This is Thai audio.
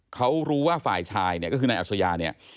เขารู้ว่าฝ่ายชายเนี่ยก็คือนายอัศยาเนี่ย